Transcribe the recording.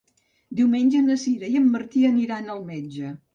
Diumenge na Sira i en Martí aniran al metge.